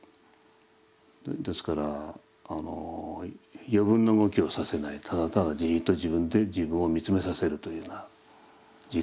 ですから余分な動きをさせないただただじっと自分で自分を見つめさせるというような時間でしょうね。